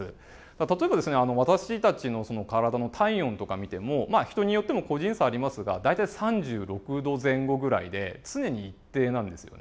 例えばですね私たちの体の体温とか見てもまあ人によっても個人差ありますが大体３６度前後ぐらいで常に一定なんですよね。